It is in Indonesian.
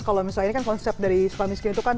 kalau misalnya ini kan konsep dari sukamiskin itu kan